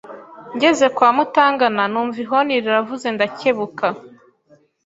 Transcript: ngeze kwa mutangana numva ihoni riravuze ndakebuka